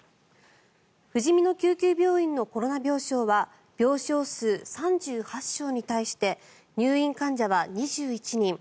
ふじみの救急病院のコロナ病床は病床数３８床に対して入院患者は２１人。